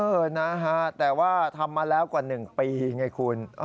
นะฮะแต่ว่าทำมาแล้วกว่า๑ปีไงคุณ